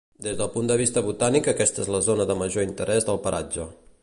Des del punt de vista botànic aquesta és la zona de major interès del paratge.